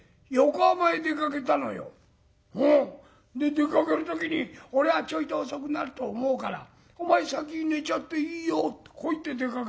「出かける時に『俺はちょいと遅くなると思うからお前先に寝ちゃっていいよ』とこう言って出かけたの。